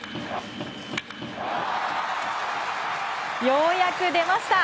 ようやく出ました。